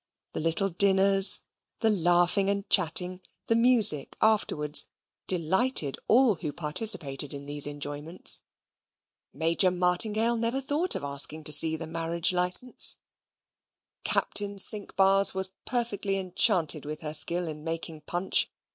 The little dinners, the laughing and chatting, the music afterwards, delighted all who participated in these enjoyments. Major Martingale never thought about asking to see the marriage licence, Captain Cinqbars was perfectly enchanted with her skill in making punch.